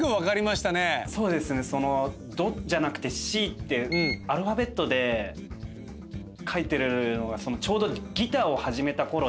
そうですね「ド」じゃなくて「Ｃ」ってアルファベットで書いてるのがちょうどギターを始めたころで。